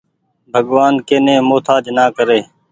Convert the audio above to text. ڀڳوآن ڪي ني مهتآج نآ ڪري۔